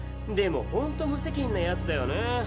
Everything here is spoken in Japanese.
でもほんと無責任なやつだよね。